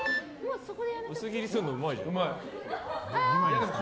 薄切りするのうまいじゃん。